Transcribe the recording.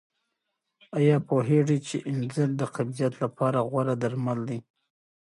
آیا پوهېږئ چې انځر د قبضیت لپاره غوره درمل دي؟